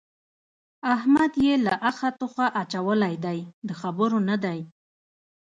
احمد يې له اخه توخه اچولی دی؛ د خبرو نه دی.